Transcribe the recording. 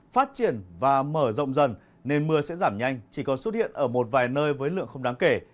phát triển và mở rộng dần nên mưa sẽ giảm nhanh chỉ còn xuất hiện ở một vài nơi với lượng không đáng kể